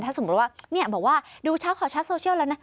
ถ้าสมมุติว่านี่บอกว่าดูชาติขอชาติโซเชียลแล้วนะ